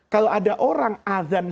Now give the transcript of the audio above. kalau ada orang adhan